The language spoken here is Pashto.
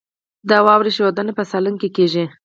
د واورې ښویدنه په سالنګ کې کیږي